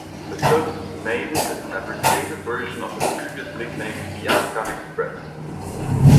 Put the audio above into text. The service's name is an abbreviated version of its previous nickname "The Afghan Express".